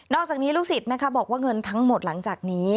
อกจากนี้ลูกศิษย์บอกว่าเงินทั้งหมดหลังจากนี้